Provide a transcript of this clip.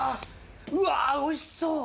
うわおいしそう！